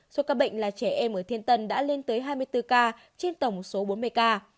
số ca bệnh là trẻ em ở thiên tân đã lên tới hai mươi bốn ca trên tổng số bốn mươi ca